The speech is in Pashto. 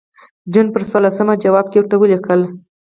جون پر څوارلسمه جواب کې ورته ولیکل.